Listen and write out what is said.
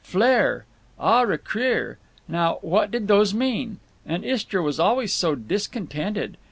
"Flair"—"au recrire." Now, what did those mean? And Istra was always so discontented.